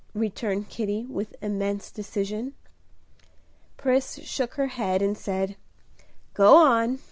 returned Kitty, with immense decision. Pris shook her head, and said, "Go on!"